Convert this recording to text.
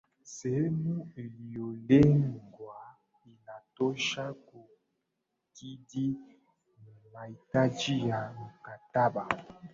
sehemu iliyolengwa inatosha kukidhi mahitaji ya mkataba